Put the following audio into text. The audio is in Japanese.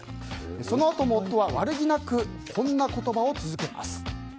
そのあとも夫は悪気なくこんな言葉を続けます。